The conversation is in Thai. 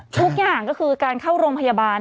ทุกอย่างก็คือการเข้าโรงพยาบาล